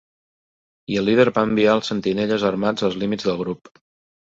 I el líder va enviar els sentinelles armats als límits del grup.